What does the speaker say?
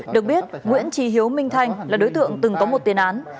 được biết nguyễn trí hiếu minh thanh là đối tượng từng có một tiền án